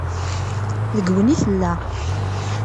Deg-wen i tella.